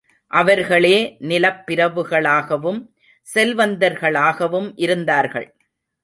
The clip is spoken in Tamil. அவர்களே நிலப் பிரபுகளாகவும், செல்வந்தர்களாகவும் இருந்தார்கள்.